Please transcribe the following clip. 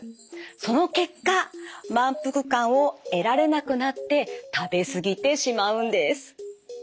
その結果満腹感を得られなくなって食べ過ぎてしまうんです。